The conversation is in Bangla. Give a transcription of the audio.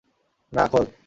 না - খোল!